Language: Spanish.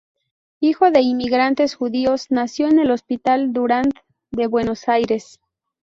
Hijo de inmigrantes judíos, nació en el Hospital Durand, de Buenos Aires.